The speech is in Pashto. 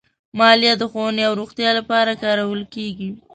مالیه د ښوونې او روغتیا لپاره کارول کېږي.